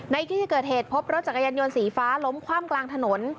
ในที่เกิดเหตุพบรถจักรยานยนต์สีฟ้าล้มคว่ำกลางถนน